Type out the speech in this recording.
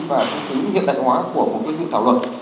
và tính hiện đại hóa của một sự thảo luận